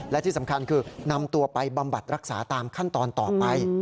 และที่สำคัญคือนำตัวไปบำบัดรักษาตามขั้นตอนต่อไป